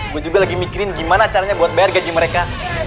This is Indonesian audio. gue juga lagi mikirin gimana caranya buat bayar gaji mereka